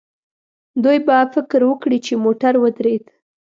دوی به فکر وکړي چې موټر ودرېد.